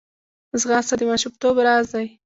ځغاسته د ماشومتوب راز دی